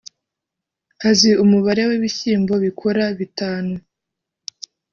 azi umubare wibishyimbo bikora bitanu.